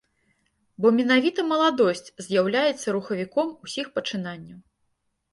Бо менавіта маладосць з'яўляецца рухавіком усіх пачынанняў.